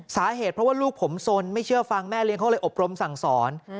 สาเหตุเพราะว่าลูกผมสนไม่เชื่อฟังแม่เลี้ยเขาเลยอบรมสั่งสอน